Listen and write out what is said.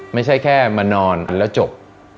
ไม่ใช่แค่มานอนแล้วจบ